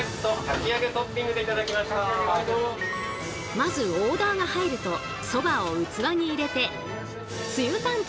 まずオーダーが入るとそばを器に入れてつゆ担当にパス。